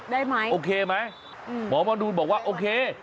ได้ไหมโอเคไหมหมอมนูนบอกว่าโอเค